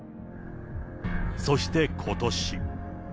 そしてことし。